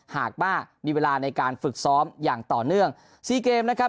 หากป้ามีเวลาในการฝึกซ้อมอย่างต่อเนื่องสี่เกมนะครับ